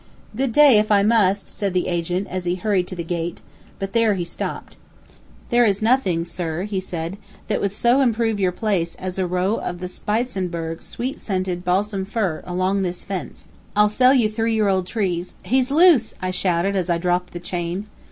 "Good day, if I must " said the agent, as he hurried to the gate. But there he stopped. "There is nothing, sir," he said, "that would so improve your place as a row of the Spitzenberg Sweet scented Balsam fir along this fence. I'll sell you three year old trees " "He's loose!" I shouted, as I dropped the chain.